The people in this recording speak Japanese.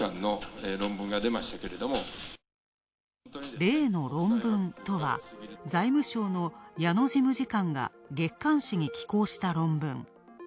例の論文とは、財務省の矢野事務次官が月刊誌に寄稿した論文。